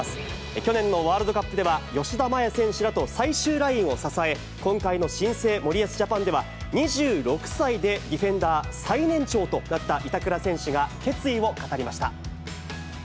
去年のワールドカップでは、吉田麻也選手らと最終ラインを支え、今回の新生森保ジャパンでは、２６歳でディフェンダー最年長となった板倉選手が決意を語りまし